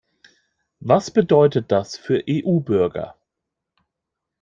Was bedeutet das für EU-Bürger?